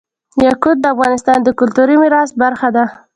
یاقوت د افغانستان د کلتوري میراث برخه ده.